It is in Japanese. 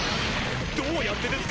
どうやってですか！？